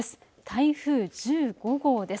台風１５号です。